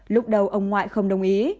lúc đầu ông ngoại không đồng ý